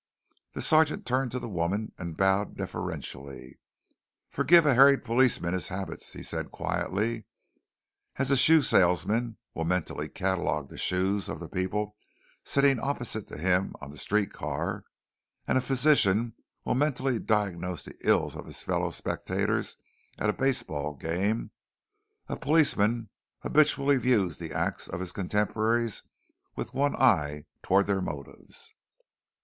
The sergeant turned to the woman and bowed deferentially. "Forgive a harried policeman his habits," he said quietly. "As a shoe salesman will mentally catalog the shoes of the people sitting opposite to him on the street car, and a physician will mentally diagnose the ills of his fellow spectators at a baseball game, a policeman habitually views the acts of his contemporaries with one eye toward their motives."